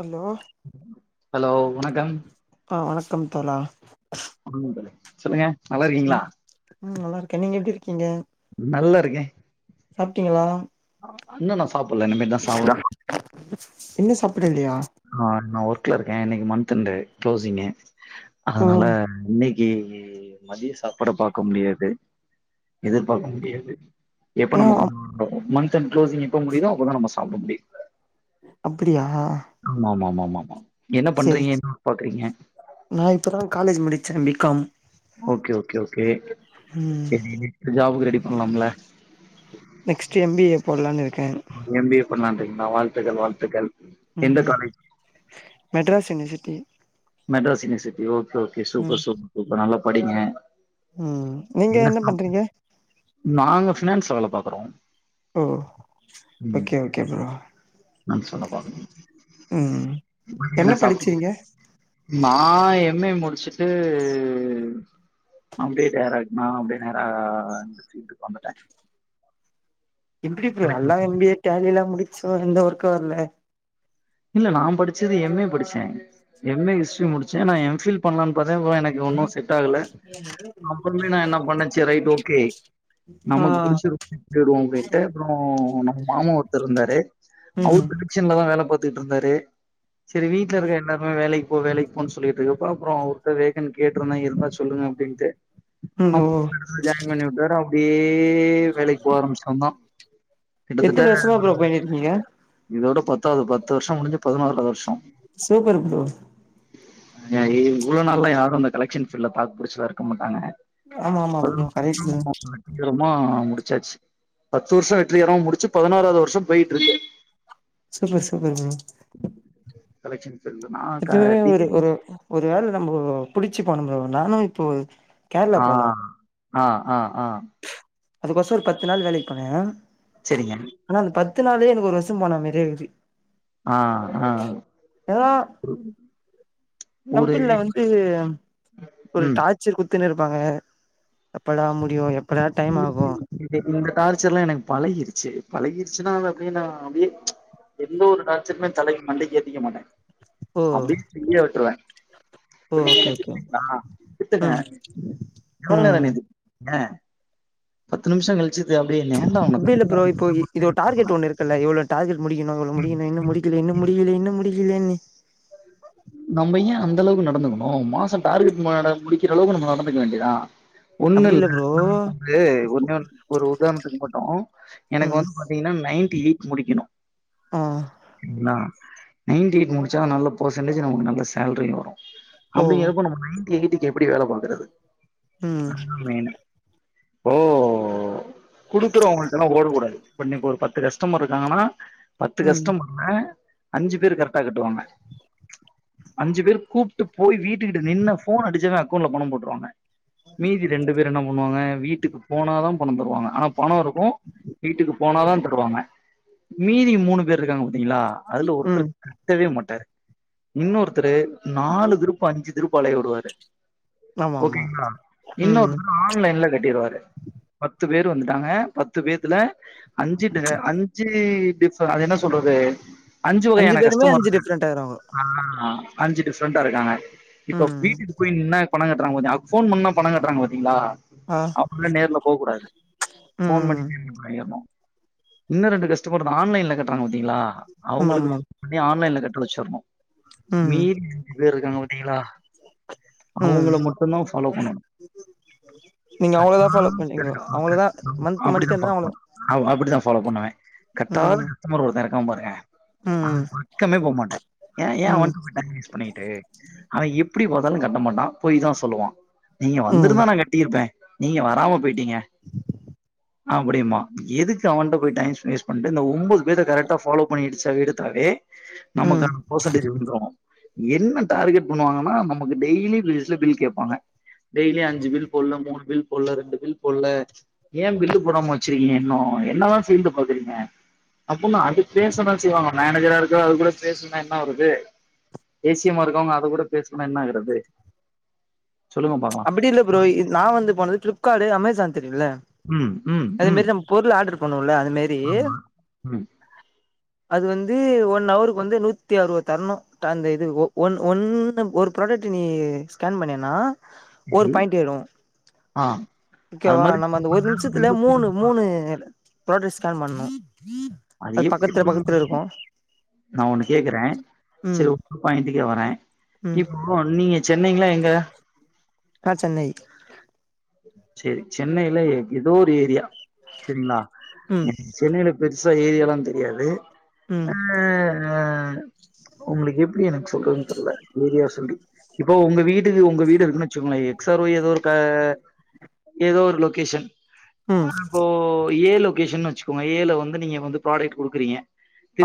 Hello hello வணக்கம் ஆ வணக்கம் தோழா ம் சொல்லுங்க நல்லா இருக்கீங்களா ம் நல்லாருக்கே நீங்க எப்டி இருக்கீங்க நல்லாருக்கே சாப்ட்டீங்களா இன்னு நா சாப்பட்ல இனிமே தா சாப் இன்னு சாப்பிடலையா ஆமா ஒர்க்ல இருக்கே இன்னைக்கு மன்ந்த் எண்டு க்ளோஸிங்கு அதனால ம் இன்னைக்கு மதிய சாப்பாட பாக்க முடியாது எதிர்பாக்க முடியாது எப்ப ஏ நம்ம அப் மன்ந்த் எண்ட் க்ளோசிங் எப்ப முடியுதோ அப்பதா நம்ம சாப்ட முடியு அப்டியா ஆமாமாமாமா என்ன செரி பண்றீங்க செ என்ன பாக்குறீங்க நா இப்ப தா காலேஜ் முடிச்சே B com okay okay okay ம் சரி இனி ஜாபுக்கு ரெடி பண்ணலாம்ல நெக்ஸ்ட் எம் பி ஏ போடலான்னு இருக்கே எம் பி ஏ பண்ணலாம்ருக்கீங்களா வாழ்த்துக்கள் வாழ்த்துக்கள் ம் எந்த ம் college Madras university Madras university okay okay ம் சூப்பர் சூப்பர் சூப்பர் நல்லா படிங்க ம் நீங்க என்ன பண்றீங்க நாங்க பினான்ஸ்ல வேல பாக்குறோ ஓ ஓகே ஓகே ப்ரோ பினான்ஸ் வேல பாக்குறோ ம் என்ன படிச்சீங்க நா எம்ஏ முடிச்சுட்டு அப்டியே டேரைக்ட் நா அப்டியே நேரா இந்த பீல்டுக்கு வந்துட்டே எப்டிப்ரோ நல்லா எம்பிஏ டேலி எல்லா முடிச்சோ எந்த ஒர்க்கு வரல இல்ல நா படிச்சது எம்ஏ படிச்சே எம்ஏ ஹிஸ்ட்ரி முடிச்ச நா எம்ஃபில் பன்லான்னு பாத்தே ப்ரோ எனக்கு ஒன்னும் செட் டாகல அப்றமே நா என்ன பண்ண சேர் ரைட் ஓகே ஆ நமக்கு புடிச்சிருக்கு தேடுவோ அப்டின்ட்டு அப்றோ நம்ம மாமா ஒருத்தர் இருந்தாரு ம் மிஷின்ல தா வேலை பார்த்தட்டு இருந்தாரு சரி வீட்டுல இருக்க என்ன வேலைக்கு போ வேலைக்கு போகன்னு சொல்லிட்டு இருக்குப்ப அப்றோ அவர்கிட்ட வேகன் கேட்டு இருந்தா இருந்தா சொல்லுங்க அப்படின்ட்டு ம் அ ஓ ஜாயின் பண்ணி விட்டாரு அப்டியே வேலைக்கு போக ஆரம்பிச்சிட்டவந்தா எத்தன கிட்டத்தட்ட வருஷமா ஒரு ப்ரோ பண்ணிருக்கீங்க இதோட பத்தாவது பத்து வருஷோ முடிஞ்சு பதினோறாவது வருஷோ சூப்பர் ப்ரோ ஆ இவ்ளோ நாளா இந்த கலெக்ஷன் ஃபீல்ட்ல பாக் புடிச்சதா இருக்க மாட்டாங்க ஆமா ஆமா hello bro correct bro Prasanna பேசுற ரமா முடிச்சாச்சு பத்து வருஷ வெற்றிகரமா முடிச்சு பதினாறாவது வருஷ போயிட்டுருக்கு சூப்பர் சூப்பர் மேம் கலெக்ஷன் இருந்துனா நா க இப்பவே டி ஒரு ஒரு ஒரு வேள நம்ம புடிச்சு போனும்னால நானு இப்போ கேரளா ஆ போனோ ஆ ஆ ஆ அதுக்கோச ஒரு பத்து நாள் வேலைக்கு போனே செரிங்க ஆனா அந்த பத்து நாளே எனக்கு ஒரு வருஷ போன மாரி இருந்ச்சி ஆ ஆ ஏன்னா ஒரு கம்பெனில வந்து ஒரு ம் டார் ச்சர் குத்துன்னு இருப்பாங்க எப்படா முடியு எப் ம் டேய் இந்த டார்ச்சர் எல்லா எனக்கு பழகிடுச்சு பழகிடுச்சுன்னா அது அப்டியே நா அப்டியே எந்த ஒரு டார்ச்சருமே தலைக்கு மண்டைக்கு ஏத்திக்க மாட்ட ஓ அப்டியே ஃபீரியா விட்டுருவ ஓ ஓகே ஓகே ங்களா வித்துங்க ம் எவ்ளோ நேர ம் [inaudible] ங்க பத்து நிமிஷ கழி அப்டி இல்ல ப்ரோ இப்போ இது டார்கெட் ஒன்னு இருக்குல்ல இவ்வளோ டார்கெட் முடிக்கணு இவ்வளோ முடிக்கணு இன்னு முடிக்கல இன்னு முடிக்கில இன்னு முடிக்கிலேன்னு நம்ம ஏன் அந்தளவுக்கு நடந்துக்கணு மாசம் டார்கெட் ம ட முடிக்கிற அளவுக்கு நம்ம நடந்துக்க வேண்டியதா ஒண்ணு அப்டி இல்ல ப்ரோ நா [inaudible] ஒன்னே ஒண்ணு ஒரு உதாரணத்துக்கு மட்டு எனக்கு ம் வந்து பாத்தீங்கன்னா நைன்டி எயிட் முடிக்கணு ம் என்னா நையன்ட்டி எயிட் முடிச்சாஸதா நல்ல பர்சன்டேஜ் நமக்கு நல்ல சேல்ரியு வரு ஓ அப்டிங்கறப்போ நம்ம நையன்ட்டி எயிட்டுக்கு எப்டி வேல பாக்குறது ம் அதுதா மெயினு ஓ குடுக்குற உங்களுக்கெல்லா ஓடக்கூடாது இப்ப இன்னைக்கு ஒரு பத்து கஸ்டமர் இருக்காங்கன்னா பத்து ம் கஸ்டமர்ல அஞ்சு பேர் கரெட்டா கட்டுவாங்க அஞ்சு பேர் கூப்ட்டு போய் வீட்டுக்கிட்ட நின்னு ஃபோன் அடிச்சோன்னே அக்கௌண்ட்ல பணம் போட்ருவாங்க மீதி ரெண்டு பேர் என்ன பண்ணுவாங்க வீட்டுக்கு போனா தா பணம் தருவாங்க ஆனா பணோ இருக்கும் வீட்டுக்கு போனாதா தருவாங்க மீதி மூணு பேர் இருக்காங்க பாத்தீங்களா அதுல ம் ஒருத்தர் கட்டவே மாட்டாரு இன்னொருத்தரு நாலு திருப்பு அஞ்சு திருப்பு அலைய விடுவாரு ஆமா ஆமா ஓகேங்களா ம் இன்னொருத்தரு ஆன்லைன்ல கட்டிருவாரு பத்து பேர் வந்துட்டாங்க பத்து பேத்துல அஞ்சி டி அஞ்சி டிஃப் இப்ப அது என்ன சொல்றது அஞ்சு வகையான பேருமே கஷ்டமர் அஞ்சு இருக்காங்க டிஃப்ரெண்ட் ஆயிடுவாங்க ஆ அஞ்சு டிஃப்ரெண்டா இருக்காங்க இப்ப ம் வீட்டுக் போய் நின்னா பண கட்றாங்க பாத்திங் ஆ ஃபோன் பண்ணா பண கட்றாங்க பாத்தீங்களா ஆ அவுங்களுக்லா நேர்ல போக் கூடாது ஃபோன் ம் பண்ணி வாங்கிர்ணு இன்னு ரெண்டு கஷ்டமர் இந்த ஆன்லைன்ல கட்றாங்க பாத்தீங்களா ஆமா அவுங்களுக்கு ஆமா பண்ணி ஆன்லைன்ல கட்ட வச்சுருணு ம் மீதி ரெண்டு பேரு இருக்காங்க பாத்தீங்களா அவுங்கள மட்டுந்தா ஃபாலோ பண்ணணு உ [unintelligible] கட் நா மந்த் மந்த் அப்பிடினா இருந்தா அவங்கள அப்பிடிதா ஃபாலோ பண்ணுவே ம் கட்டாதங்க கஷ்டமர் ஒருத்த இருக்கா பாருங்க அவ ம் பக்கமே போ மாட்டே ஏ ஏ ம் வந்து பேயிட்டாங்க பண்ணிகிட்டு அவ எப்பிடி முதலு கட்ட மாட்டா பொய் தா சொல்லுவா நீங்க ம் வந்துருந்தா நா கட் ட்டிருப்பே நீங்க வராம பொயிட்டீங்க அப்பிடிம்மா எதுக்கு அவன்ட்ட போய் டைம் ஸ்பேஸ் பண்ணிட்டு இந்த ஒம்போது பேர கரெக்டா ஃபாலோ பண்ணி இடிச்சி எடுத்தாவே ம் நமக்கான பர்சன்டேஜ் விழுந்துரு என்ன டார்கெட் பண்ணுவாங்கன்னா நமக்கு டெய்லி பேஸ்ல பில் கேப்பாங்க டெய்லி அஞ்சி பில் போனு மூணு பில் பொல ரெண்டு பில் பொல ஏ பில்லு போடாம வச்சிருக்கீங்க இன்னு என்னதா சேந்து பாக்குறீங்க அப்புடின்னா அது பேச தா செய்வாங்க மேனேஜரா இருக்க அது கூட பேச லனா என்னாவ்ருது தேசியமா இருக்கவுங்க அது கூட பேஸ்லனா என்ன ஆகுறது சொல்லுங்க பாக்கலாம் அப்பிடில்ல ப்ரோ இது நா வந்து போனது பிளிப்க்காடு அமேசான் தெரியுல்ல ம் ம் ம் பொருளு ஆட்ரு பண்ணுவோல அது மேரி ஆமா. ம் அது வந்து ஒன் அவருக்கு வந்து நூத்தி அறுவது தர்ணு ஸ்ட அந்த இது ஒன் ஒன்னு ஒரு ப்ராடக்ட் நீ ஸ்கேன் பண்ணின்னா ஒரு சரி. பாயிண்ட்டு ஏறு ஆ அது ஓகேவா மாதிரி நம்ம அந்த ஒரு நிமிஷத்துல மூணு மூணு போட்டு ஸ்கேண் பண்ணு அத அது எப்பிடி பக்கத்துல பொடுங்கனு பக்கத்துல இருக்கு குடுக்கணு நா ஒன்னு கேக்குறே ம் செரி ஒங்க பாயிண்டிக்கே வரே ம் இப்போ ஓ நீங்க சென்னைங்களா எங்க நா சென்னை சேரி சென்னையில ஏதோ ஒரு ஏரியா சேரிங்களா ம் சென்னையில பெருசா ஏரியாலா தெரியாது ம் அ உங்களுக்கு எப்பிடி எனக்கு சொல்றதுன்னு தெரில ஏரியா சொல்லி இப்போ உங்க வீடு உங்க வீடு இருக்குன்னு வச்சுங்களே எக்ஸ் ஆர ஒய் ஏதோ இருக்க ஏதோ ஒரு லொகேஷன் ம் இப்போ ஏ லொகேஷன்னு வச் வச்சுக்கோங்க ஏலு வந்து நீங்க வந்து ப்ராடக்ட் குடுக்குறீங்க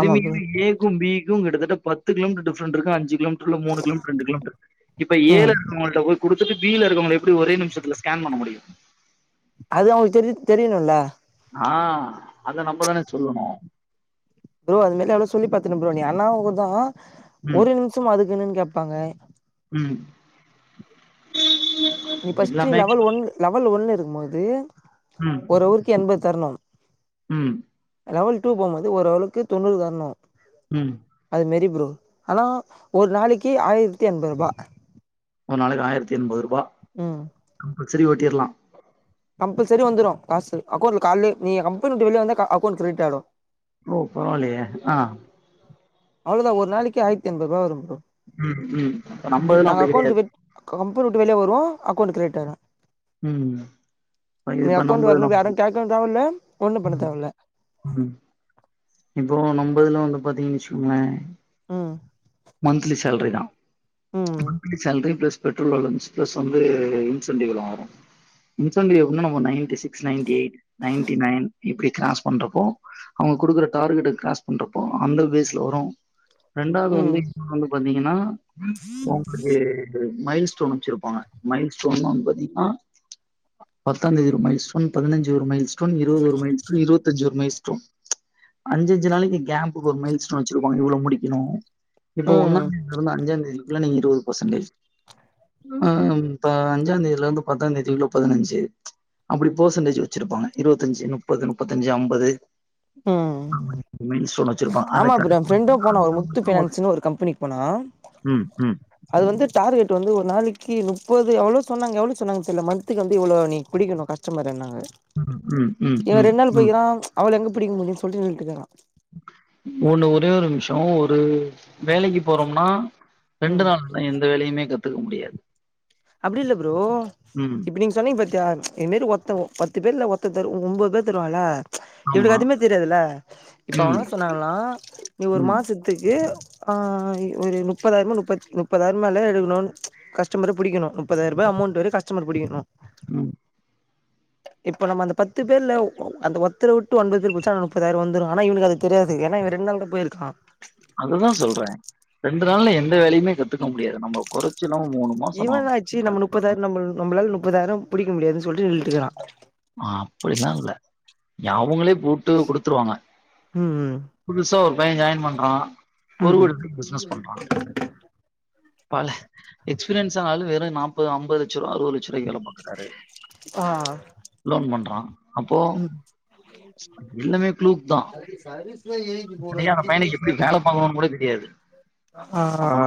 ஆமா ப்ரோ ஏ ஏ க்கு பீக்கு கிட்டட்ட பத்து கிலோமீட்டர் டிப்ரெண்ருக்கு அஞ்சு கிலோமீட் டருக்கு மூணு கிலோமீட்டர் ரெண்டு கிலோமீட்டர் இப்ப ஏ ல ம் இருக்கவுங்கள்ட குடுத்துட்டு பி ல இருக்குறங்கல் எப்பிடி ஒரே நிமிஷத்துகு கேன் பண்ண முடியு அது அவுங்க தெரி தெரியிணுல ஆ அத நம்மதான சொல்லுணு ப்ரோ அது மேல எவ்ளோ சொல்லி பாத்துனு ப்ரோ நீ அண்ணாங்குது ம், ஒரு நிமிஷோம் அதுக்குன்னு கேப்பாங்க ம் நீ ஃபஸ்ட்டு எல்லாமே லெவல் ஒன் லெவல் ஒன்னு இருக்கும் போது ம் ஒரு ஊக்கி எண்பத் தர்ணும் ம் லெவல் டூ போமோது ஒரு அளவுக்கு தொண்ணூறு தர்னு ம் அது மெரி ப்ரோ ஆனா ஒரு நாளைக்கு ஆயிரத்தி எண்பதுரூபா ஒரு நாளைக்கு ஆயிரத்தி எண்பதுரூபா ம் கம்பல்சரி ஓட்டிர்லா கம்பல்சரி வந்துரு காசு அக்கௌண்ட்ல கால்லே நீங்க கம்பனி விட்டு வெளிய வந்தா அக்கௌண்ட் கிரெடிட் ஆய்டு ஓ பரவால்லயே அ அவளதா ஒரு நாளைக்கு ஆயிரத்தி எண்பதுரூபா வரும் ப்ரோ ம் ம் இப்ப நம்ப இதுலா நாங்க அப்டி அக்கௌண்ட் கெடையாது விட் கம்பெனி விட்டு வெளிய வருவோ அக்கௌண்ட் கிரியேட் ஆயிரு ம். நீ இப்ப நம்ம அக்கவுண்ட் இதுல வரணு யாரு கேக்கணு தேவல்ல ஒண்ணு பண்ண ம், தேவல்ல ம் இப்போ நம்பதுல வந்து பாத்தீங் வச்சுகோங்ளே ம் மந்த்லி சேல்ரி தா ம் monthly salary plus petrol allowance plus வந்து இன்சென்டிவ்லா வரு இன்சென்டிவ் எப்டினா நம்ம ninety six ninety eight ninety nine இப்டி கிராஸ் பண்றப்போ அவங்க குடுக்குற டார்கெட் கிராஸ் பண்றப்போ அந்த பேஸ்ல வரு ரெண்டாவது வந்து ம் இப்ப வந்து பாத்தீங்கன்னா ஒங்களுக்கே மைல் ஸ்டோன் வச்சுருப்பாங்க மைல் ஸ்டோன் வந்து பாத்தீங்கன்னா பத்தாந்தேதி ஒரு மைல் ஸ்டோன் பதிஞ்சு ஒரு மைல் ஸ்டோன் இருவது ஒரு மைல் ஸ்டோன் இருவத்தஞ்சு ஒரு மைல் ஸ்டோன் அஞ்சஞ்சு நாளைக்கு கேம்புக்கு ஒரு மைல் ஸ்டோன் வச்சிருப்பாங்க இவ்ளோ முடிக்கணு இப்ப ஒன்னா ம் ல இருந்து அஞ்சா தேதிகுள்ள நீங்க இருவது பர்சென்டேஜ் ஆம் இப்ப அஞ்சா தேதில இருந்து பத்தாந்தேதிகுள்ள பதினஞ்சி அப்டி பெர்சன்டேஜ் வச்சிருப்பாங்க இருவத்தஞ்சி முப்பது முப்பத்தஞ்சி அம்பது ம் ஆமா மைல் ஸ்டோன் வச்சிருப்பாங்க அத ஆமா ப்ரோ கணக் என் ஃப்ரெண்டும் போனா ஒரு முத்து பண்ணி பைனான்ஸ்னு ஒரு கம்பெனிக்கு போனா [unintelligible] ம் ம் அது வந்து டார்கெட் வந்து ஒரு நாளைக்கி நுப்பது எவ்ளோ சொன்னாங்க எவ்ளோ சொன்னாங்க தெரில மந்துக்கு வந்து இவ்ள நீ பிடிக்கனு கஷ் ஷ்டமர்ன்னாங்க ம், ம், இவ ம், ரெண் நாள் ம். போய்க்கிறா அவ்ள எங்க பிடிக்க முடியு சொல்ட்டு நின்ட்டுக்குறா ஒன்னு ஒரே ஒரு நிமிஷ ஒரு வேலைக்கு போறோம்னா ம் ரெண்டு நாள்ல எந்த வேலயுமே கத்துக்க முடியாது அப்டி இல்ல ப்ரோ ம். இப்ப நீங்க சொ சொன்னிங் பாத்தியா இதுமாரி ஒத்த பத்து பேர்ல ஒர்த்தரு ஒம்பது பேர் தருவால இவனுக்கு ஆமா. எதுமே தெரியாதுல இப்ப ம், அவங்கனா சொன்னாங்களா நீ ஒரு ம், மாசத் துக்கு ஆ ஒரு முப்பதாயிரமோ முப்பத் முப்பதாயிரமால எடுக்கணு கஸ்டமரு புடிக்கனு முப்பதாயிரரூபா அமௌண்ட் வரை கஸ்டமர் புடிகனு ம் இப்ப நம்ம அந்த பத்து பேர்ல அந்த ஒத்தர வுட்டு ஒன்பது பேர் புச்சா முப்பதாயிர வந்துரு ஆனா இவனுக்கு அது தெரியாது ஏனா இவ ரெண் நாள் தான போயிருக்கா அததா சொல்ற ரெண்டு நாள்ல எந்த வேலையுமே கத்துக்க முடியாது நம்ம கொற இவள்நாச்சு நம்ம முப்பதாயி நம்ம நம்பளால முப்பதாயிரம் புடிக்க முடியாதுனு சொல்லிட்டு நின்ட்டுக்குறா ஆ அப்டிலா இல்ல அவங்களே கூப்ட்டு குடுத்துருவாங்க ம் புதுசா ஒரு பைய ஜாயின் பண்றா ஒரு ம் ம் கோடி ரூபா பிசினஸ் பண்றா பல எக்ஸ்பீரியன்ஸ் ஆன ஆளு வெறு நாப்பது ஐம்பதுலட்ச ரூவா அறுவதுலட்ச ரூவாய்க்கு வேல பாக்குறாரு ஆ லோன் பண்றா அப்போ ம் எல்லாமே ப்ளூக்தா சரியா அந்த பையனு க்கு எப்டி வேல பாக்கணுனு கூட தெரியாது ஆ ஆ அப்ப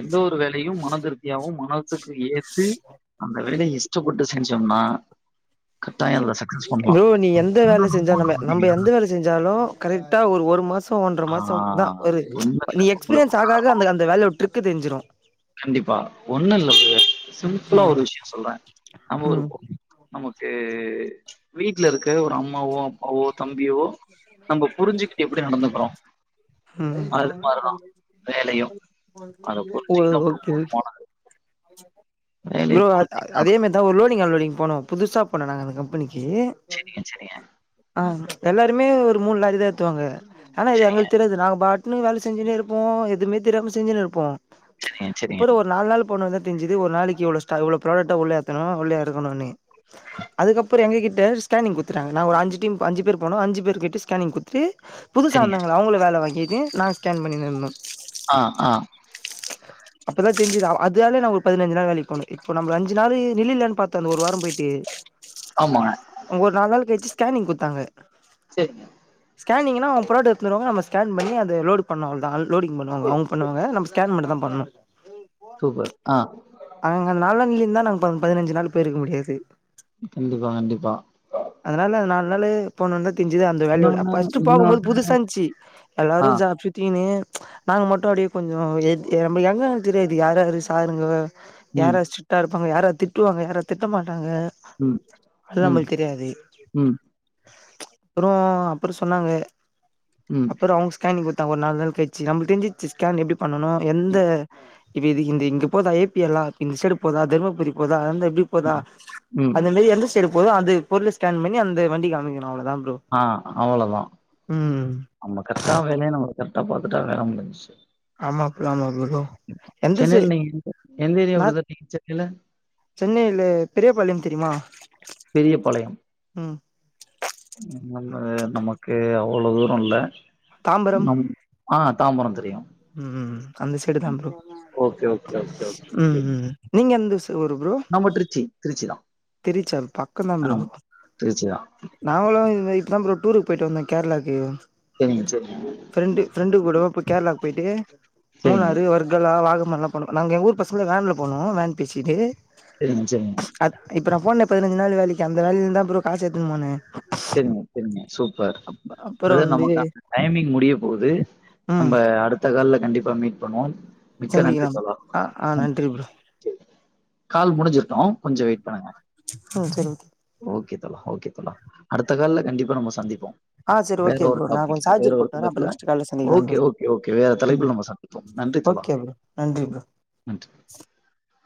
எந்த ஒரு வேலையும் மனதிருப்தியாவும் மனசுக்கு ஏத்து அந்த வேலய இஷ்டப்பட்டு செஞ்சோனா ப்ரோ நீ எந்த வேல செஞ்சாலும் நம்ம எந்த வேல செஞ்சாலும் கரெக்ட் டா ஒரு ஒரு மாசம் ஒன்ற ஆ மாசம் தா ஒரு ஒண்ணு இல்ல நீ உங்களுக்கு எக்ஸ்பீரியன்ஸ் ஒரு ஆக ஆக காரணோ அந்த அந்த வேலை ஒட ட்ரிக் தெரிஞ்சிரும் கண்டிப்பா ஒண்ணு இல்ல பிரதர் சிம்பிளா ம் ஒரு விஷயம் சொல்றேன் நம்ம ஒரு ம் நமக்கு வீட்ல இருக்க ஒரு அம்மாவோ அப்பாவோ தம்பியோ நம்ம புரிஞ்சிக்கிட்டு எப்டி நடந்துக்கிறோம் ம் அது மாரிதான் வேலையும். அத ஒ ஒ புரிஞ்சுக்கிட்டு அப்புறம் ஓகே போனது. வேலைய ப்ரோ அது அ புரிஞ்சுக்கிட்டு அதே மெதி தா ஒரு லோடிங் அன்லோடிங் போனோம் புதுசா போனோம் நாங்க அந்த கம்பெனிக்கு ஏ செரிங்க ஆ எல்லாருமே ஒரு மூன் லாரிதான் ஏத்துவாங்க ஆனா இது சரிங்க, எங்களுக்கு தெரியது நாங்க பாட் ட்னு வேல செஞ்சினே இருப்போம் எதுவுமே தெரியாம செஞ்சினே இருப்போம் சரிங்க, சரிங்க, அப்புறம் ஒரு நாலு நாள் போண தா தெஞ்சது ஒரு நாளைக்கு எவ்வளௌ ஸ்டாக் உள்ளேத்தணும் உள்ள எறக்கணும்னு அதுக்கப்புறம் எங்ககிட்ட ஸ்கேனிங் கொத்துடாங்க நா ஒரு அஞ்சி டீம் அஞ்சி போனம் அஞ்சி பேர்கிட்டயு ஸ் கேனிங் கொடுத்துட்டு புது சரிங்க. வந்தங்க அவங்கள வேல வாங்கிட்டு நாங்கள் ஸ்கேன் பண்ணிந்தோம் ஆ ஆ அப்பதான் தெஞ்சது அதாலே நா ஒரு பதினஞ்சி நாள் வேலிக் போனே இப்ப நம் அஞ்சி நாள் வெளிளானு பாத்தே அந்த ஒரு வாரம் போயிட்டு ஆமா அங்க ஒரு நால் நாள் கழிச்சி ஸ்கேனிங் கொடுத்தாங்க செ ஸ்கேனிங் நா அவ பேர்ட் எடுத்துன்னு வருவாங்க நம்ம ஸ்கேன் பண்ணி அந்த லோட் பண்ணுவாங்ளா அ லோடிங் பண்ணுவாங்க சரி. அவுங் பண்ணுவாங்க நம் கேன் மட்டு தான் பண்ணு சூப்பர் ஆ அங்க நால்லா இலிந்தா நாங்க பதினஞ்சி நாள் போயிரு இருக்க முடியாது கண்டிப்பா கண்டிப்பா அதனால நால் நாளு போண ஒனே தெஞ்சது அந்த வேல ஓட அ இன்னொன்னு ஃபஸ்ட்டு போகும்போது இன்னொன்னு புதுசா இந்ச்சி ஆ. எல்லாரும் சாப் டீனு நாங்க மட்டும் அப்டியே கொஞ்சம் எது நம்ம யங்கா தெரியாது யார் யார் சாருங்க ம், யாரும் சிர்ட்டா இருப்பாங்க யாரு திட்டுவாங்க யாரு திட்ட மாட்டாங்க ம், அது ம், நமள்க்கு தெரியாது ம், அப்புறோ அப்புறம் சொன்னாங்க ம் அப்புறம் அவங்க ஸ்கேனிங் கொடுத்தாங்க ஒரு நால் நாள் கழிச்சி நம்மளுக்கு தெரிஞ்சுச்சி ஸ்கேன் எப்டி பண்ணனும் எந்த இப்போ இது இந்த இங்க போதா ஏபி எல்லாம் இப்ப இந்த சைடு போதா தர்மபுரி போதா அங்கந்து எப்டி போத ம். அதுமாதி எந்த சைடு போதும் அது பொருள் ஸ்கேன் பண்ணி அந்த வண்டிக்கு அமைக்கணும் அவ்ளோதான் ப்ரோ ஆ அவ்ளோதான் ம் நம்ம கரெக்டா வேல நம்ம கரெக்டா பாத்துட்டா வேல முடிஞ்சி ஆமா ப்ரோ ஆமா ப்ரோ எந்த சை சென்னையில நீங்க எந்த எந்த ஏரியா நா பிரதர் நீங்க சென்னையில சென்னையில பெரியபாளையம் தெரியுமா பெரிய பாளையம் ம் நம்ம நமக்கு அவ்வளவு தூரோ இல்ல தாம்பரம் நம் அ தாம்பரம் தெரியு ம் அந்த சைடு தான் bro okay okay okay okay ம் ம் நீங்க எந்த [unintelligible] ப்ரோ நம்ம திருச்சி திருச்சிதா திருச்சா பக்கம் தா ப்ரோ திருச்சி தான். நாங்களு இப்பத ப்ரோ டூருக்கு போயிட்டு வந்தோ கேரளாக்கு சேரிங்க சேரிங்க ஃப்ரெண்டு ஃப்ரெண்டு கூட போய் கேரளாக்கு போயிட்டு சரிங்க, மூணாறு வர்கலா வாகமல்லா போனோம் நாங்க எங்க ஊர் பசங்கள வேன்ல போணோம் வேன் பேசிட்டு [unintelligible] அது இப்ப நா போன பதினஞ்ச நா வேலைக்கு அந்த வேலையிலிருந்து தா ப்ரோ காசு எத்துனு போனே சேரிங்க சேரிங்க சூப்பர் அப் அப்புறோ அத வந்து நமக்கான டைமிங் முடிய போது நம்ம ம் அடுத்த அடுத்த கால்ல கண்டிப்பா மீட் பண்ணுவோ மிக்க நன்றி சந்திக்கலாம் தோழா ஆ ஆ நன்றி ப்ரோ கால் முடிஞ்சிருட்டு கொஞ்சோ வெயிட் பண்ணுங்க ம் தோழி ஓகே தோழா ஓகே தோழா அடுத்த கால்ல கண்டிப்பா நம்ம சந்திப்போ ஆ சரி வேற ஓகே ஒரு ப்ரோ நா கொஞ்சோ டாபிக்ல வேற சார்ஜர் ஒரு போட்டு வரே அப்ப கந்தத்துல நெக்ஸ்ட் கால்ல சந்திக்கலாம் ஓகே ப்ரோ ஓகே ஓகே வேற ம் தலைப்புல நம்ம சந் ஓகே ப்ரோ நன்றி ப்ரோ [inaudible]